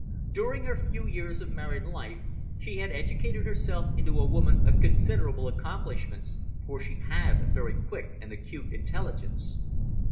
During her few years of married life she had educated herself into a woman of considerable accomplishments, for she had a very quick and acute intelligence.